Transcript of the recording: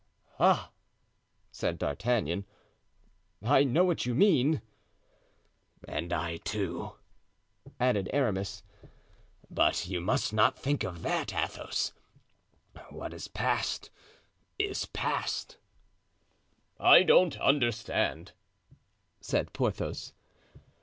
"Ah!" said D'Artagnan; "I know what you mean." "And I, too," added Aramis; "but you must not think of that, Athos; what is past, is past." "I don't understand," said Porthos.